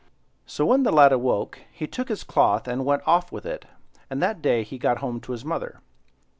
So when the lad awoke, he took his cloth and went off with it, and that day he got home to his mother.